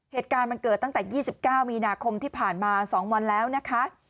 เหตุการณ์มันเกิดตั้งแต่๒๙มีนาคมที่ผ่านมา๒วันแล้วนะคะ